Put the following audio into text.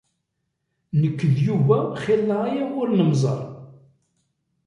Nekk d Yuba xilla aya ur nemẓer.